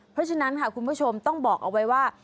เพราะฉะนั้นค่ะคุณผู้ชมต้องบอกเอาไว้ว่า